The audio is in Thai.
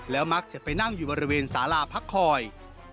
มักจะไปนั่งอยู่บริเวณสาราพักคอย